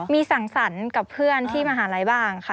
มีสั่งสรรค์กับเพื่อนที่มหาลัยบ้างค่ะ